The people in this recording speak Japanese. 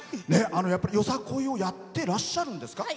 よさこいをやってらっしゃるんですか？